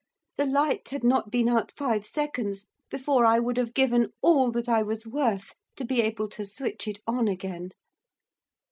The light had not been out five seconds before I would have given all that I was worth to be able to switch it on again.